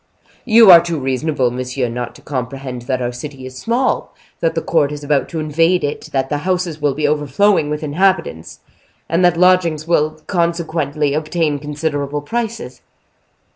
"You are too reasonable, monsieur, not to comprehend that our city is small, that the court is about to invade it, that the houses will be overflowing with inhabitants, and that lodgings will consequently obtain considerable prices."